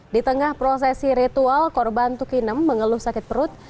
di tengah prosesi ritual korban tukinem mengeluh sakit perut